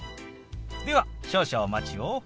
では少々お待ちを。